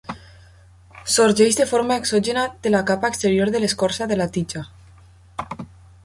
Sorgeix de forma exògena de la capa exterior de l'escorça de la tija.